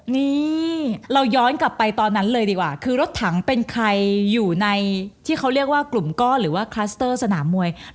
นี่เราย้อนกลับไปตอนนั้นเลยดีกว่าคือรถถังเป็นใครอยู่ในที่เขาเรียกว่ากลุ่มก้อนหรือว่าคลัสเตอร์สนามมวย